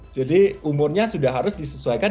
jadi umurnya sudah harus disesuaikan